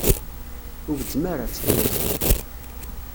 Ur gezzem ara, ttxil-k.